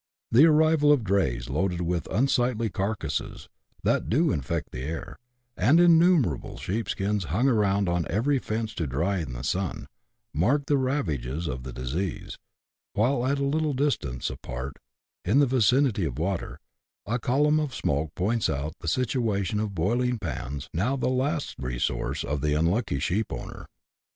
The arrival of drays loaded with unsightly carcases, " that do infect the air," and innumerable sheepskins hung around on every fence to dry in the sun, mark the ravages of the disease ; while at a little distance apart, in the vicinity of water, a column of smoke points out the situation of the boiling pans, now the last resource of the unlucky sheepowner.